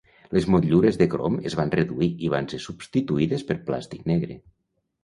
Les motllures de crom es van reduir i van ser substituïdes per plàstic negre.